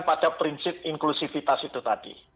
pada prinsip inklusifitas itu tadi